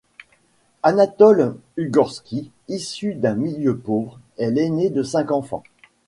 Anatol Ugorski, issu d'un milieu pauvre, est l'aîné de cinq enfants.